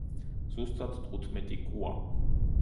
ზუსტად თხუთმეტი კუა.